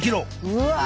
うわ。